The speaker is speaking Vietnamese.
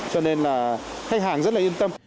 cho nên là khách hàng rất là yên tâm